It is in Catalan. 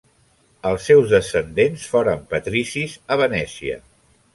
Els seus descendents foren patricis a Venècia.